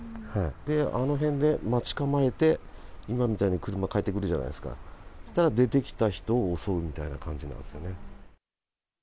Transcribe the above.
あの辺で待ち構えて、今みたいに車帰ってくるじゃないですか、したら出てきた人を襲うみたいな感じなんですよね。